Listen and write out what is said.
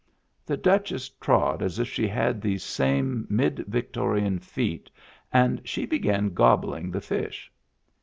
The Duchess trod as if she had these same mid Victo rian feet and she began gobbling the fish.